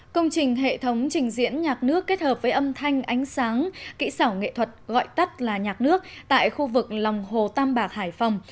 công trình hệ thống trình diễn nhạc nước kết hợp với âm thanh ánh sáng kỹ xảo nghệ thuật gọi tắt là nhạc nước tại khu vực lòng hồ tam bạc hải phòng